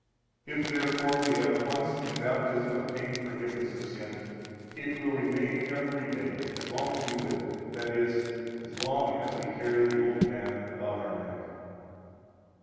If, therefore, we have once in Baptism obtained forgiveness of sin, it will remain every day, as long as we live, that is, as long as we carry the old man about our neck.